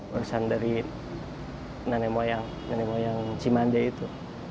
warisan dari nenek moyang cimande itu